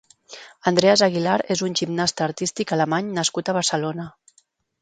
Andreas Aguilar és un gimnasta artístic alemany nascut a Barcelona.